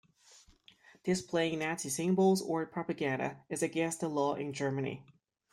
Displaying Nazi symbols or propaganda is against the law in Germany.